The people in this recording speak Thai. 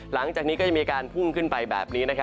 หลังจากนี้ก็จะมีการพุ่งขึ้นไปแบบนี้